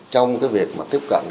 trong cái việc mà tiếp cận